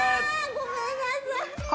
ごめんなさい！